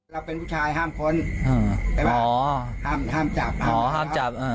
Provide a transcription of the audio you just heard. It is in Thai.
เราเป็นผู้ชายห้ามค้นห้ามจับห้ามจับ